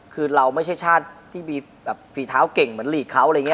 คือเราไม่ใช่ชาติที่มีฝีเท้าเก่งเหมือนศักดิ์เขา